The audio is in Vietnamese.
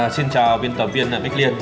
xin chào viên tập viên bích liên